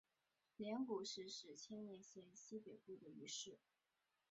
镰谷市是千叶县西北部的一市。